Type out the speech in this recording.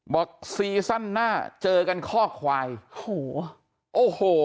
บอกสีซั่นหน้าเจอกันข้อควายโอ้โห